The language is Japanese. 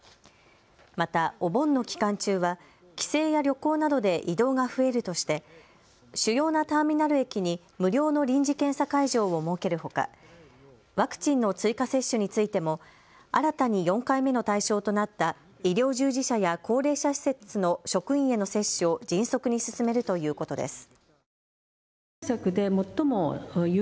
また、お盆の期間中は帰省や旅行などで移動が増えるとして主要なターミナル駅に無料の臨時検査会場を設けるほか、ワクチンの追加接種についても新たに４回目の対象となった医療従事者や高齢者施設の職員への接種を迅速に進めるということです。